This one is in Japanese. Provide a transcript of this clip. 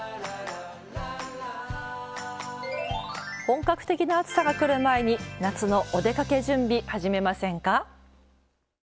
本格的な暑さがくる前に夏のお出かけ準備始めませんか？